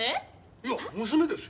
いや娘ですよ。